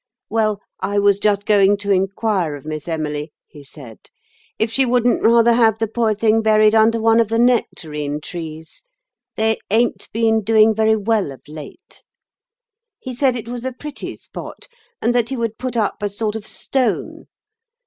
'Well, I was just going to inquire of Miss Emily,' he said, 'if she wouldn't rather have the poor thing buried under one of the nectarine trees. They ain't been doing very well of late.' He said it was a pretty spot, and that he would put up a sort of stone.